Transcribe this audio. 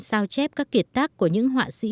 sao chép các kiệt tác của những họa sĩ